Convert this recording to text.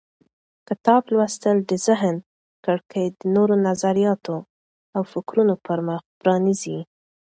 کتاب لوستل د ذهن کړکۍ د نوو نظریاتو او فکرونو پر مخ پرانیزي.